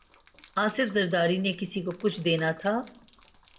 آصف زرداری نے کسی کو کچھ دینا تھا۔